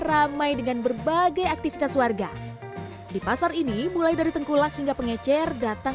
ramai dengan berbagai aktivitas warga di pasar ini mulai dari tengkulak hingga pengecer datang